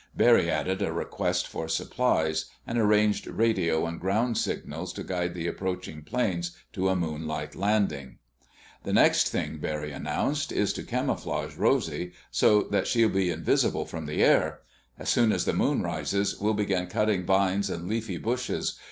Barry added a request for supplies, and arranged radio and ground signals to guide the approaching planes to a moonlight landing. "The next thing," Barry announced, "is to camouflage Rosy so that she'll be invisible from the air. As soon as the moon rises, we'll begin cutting vines and leafy bushes.